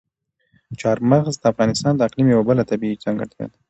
چار مغز د افغانستان د اقلیم یوه بله طبیعي ځانګړتیا ده.